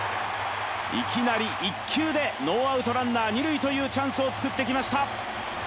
いきなり１球でノーアウト二塁というチャンスを作ってきました。